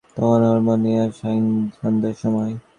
তখন হরিমোহিনীর সায়ংসন্ধ্যার সময়।